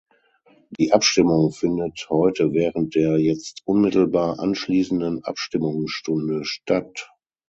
Die Abstimmung findet heute während der jetzt unmittelbar anschließenden Abstimmungsstunde statt.